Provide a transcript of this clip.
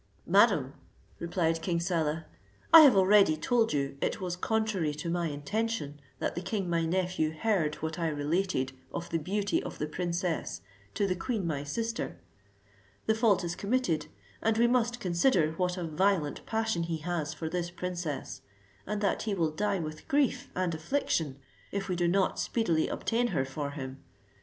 "Madam," replied King Saleh, "I have already told you it was contrary to my intention that the king my nephew heard what I related of the beauty of the princess to the queen my sister. The fault is committed, and we must consider what a violent passion he has for this princess, and that he will die with grief and affliction, if we do not speedily obtain her for him.